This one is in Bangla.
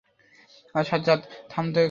সাজ্জাদ, থামতে কলো ওকে।